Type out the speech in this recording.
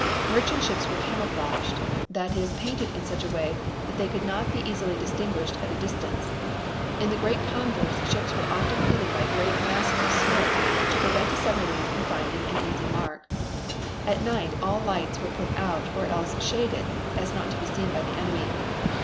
Merchant ships were camouflaged, that is painted in such a way that they could not be easily distinguished at a distance. In the great convoys ships were often hidden by great masses of smoke to prevent a submarine from finding an easy mark. At night all lights were put out or else so shaded as not to be seen by the enemy.